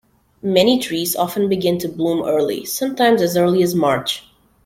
Many trees often begin to bloom early, sometimes as early as March.